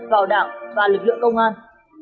vào đảng và lực lượng công an